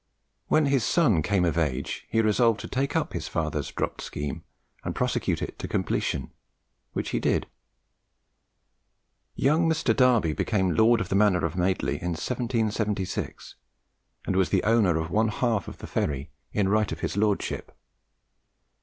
When his son came of age, he resolved to take up his father's dropped scheme, and prosecute it to completion, which he did. Young Mr. Darby became lord of the manor of Madeley in 1776, and was the owner of one half of the ferry in right of his lordship.